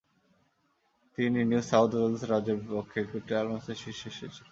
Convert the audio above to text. তিনি New South Wales রাজ্যের বিপক্ষে একটি ট্রায়াল ম্যাচে শীর্ষে এসেছিলেন।